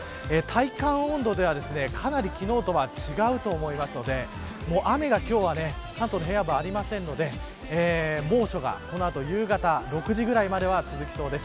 体感温度もかなり昨日とは違うと思うので今日は関東の平野部には雨がありませんのでこの後夕方６時くらいまで猛暑が続きそうです。